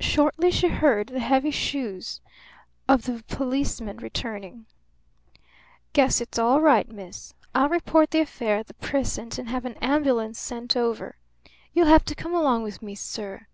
Shortly she heard the heavy shoes of the policeman returning. "Guess it's all right, miss. I'll report the affair at the precinct and have an ambulance sent over. You'll have to come along with me, sir."